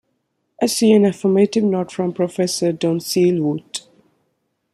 I see an affirmative nod from Professor Donceel-Voute.